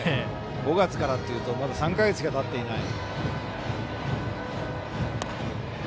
５月からというとまだ３か月しかたっていない。